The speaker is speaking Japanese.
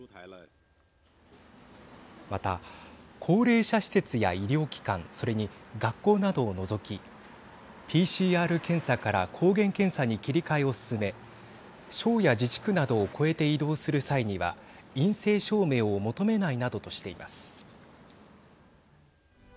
また、高齢者施設や医療機関それに学校などを除きＰＣＲ検査から抗原検査に切り替えを進め省や自治区などを越えて移動する際には陰性証明を求めないなどとしています。